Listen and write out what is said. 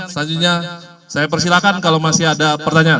selanjutnya saya persilahkan kalau masih ada pertanyaan